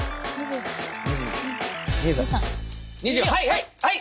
はいはい！